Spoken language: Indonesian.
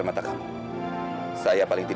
baik saya permisi